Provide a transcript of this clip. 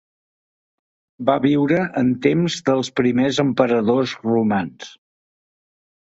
Va viure en temps dels primers emperadors romans.